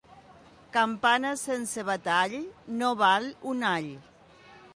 Campana sense batall no val un all.